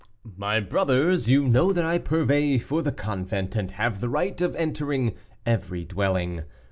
"My brothers, you know that I purvey for the convent, and have the right of entering every dwelling.